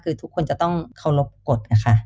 คือทุกคนจะต้องเคารพกฎนะคะ